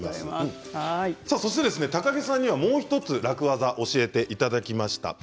高城さんには、もう１つ楽ワザを教えていただきました。